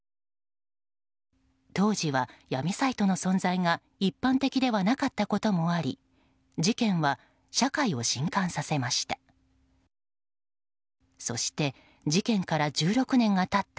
当時は、闇サイトの存在が一般的ではなかったこともあり事件は社会を震撼させました。